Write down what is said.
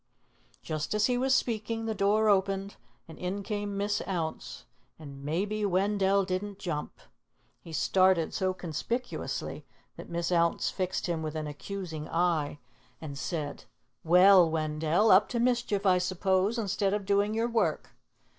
Just as he was speaking, the door opened, and in came Miss Ounce, and maybe Wendell didn't jump! He started so conspicuously that Miss Ounce fixed him with an accusing eye and said, "Well, Wendell, up to mischief, I suppose, instead of doing your work."